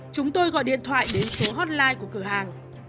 chúng tôi gọi điện thoại đến số hotline của cửa hàng